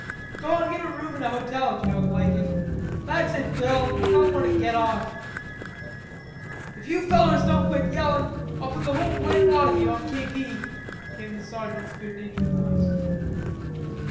"Go an' get a room in a hotel if you don't like it." "That's it, Bill, tell him where to get off." "If you fellers don't quit yellin', I'll put the whole blame lot of you on K. P.," came the sergeant's good natured voice.